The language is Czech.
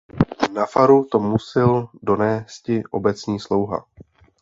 Na faru to musil donésti obecní slouha.